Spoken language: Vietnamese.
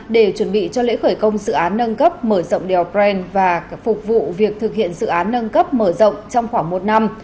để chuẩn bị cho lễ khởi công dự án nâng cấp mở rộng đèo bren và phục vụ việc thực hiện dự án nâng cấp mở rộng trong khoảng một năm